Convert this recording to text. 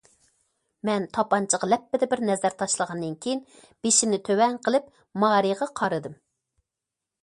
مەن تاپانچىغا لەپپىدە بىر نەزەر تاشلىغاندىن كېيىن بېشىمنى تۆۋەن قىلىپ مارىغا قارىدىم.